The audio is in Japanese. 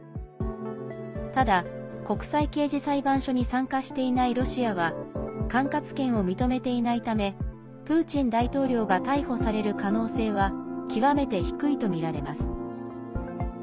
ただ、国際刑事裁判所に参加していないロシアは管轄権を認めていないためプーチン大統領が逮捕される可能性は極めて低いとみられます。